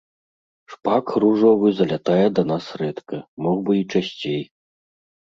Шпак ружовы залятае да нас рэдка, мог бы і часцей.